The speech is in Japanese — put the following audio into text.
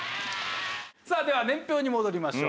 さあでは年表に戻りましょう。